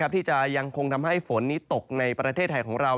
ที่จะยังคงทำให้ฝนนี้ตกในประเทศไทยของเรา